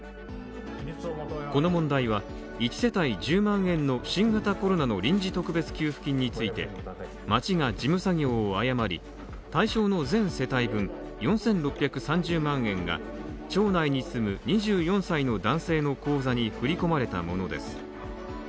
この問題は１世帯１０万円の新型コロナの臨時特別給付金について町が事務作業を誤り、対象の全世帯分４６３０万円が町内に住む２４歳の男性の口座に振り込まれたものです。